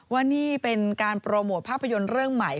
ว่านี่เป็นการโปรโมทภาพยนตร์เรื่องใหม่